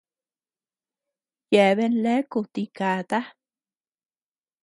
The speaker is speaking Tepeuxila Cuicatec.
Yeabean leaku tikata.